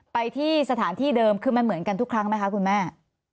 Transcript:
ไปที่สถานที่เดิมคือมันเหมือนกันทุกครั้งไหมคะคุณแม่